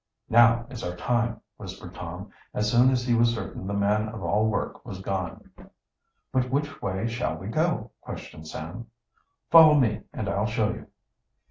"Now is our time!" whispered Tom, as soon as he was certain the man of all work was gone. "But which way shall we go?" questioned Sam "Follow me, and I'll show you."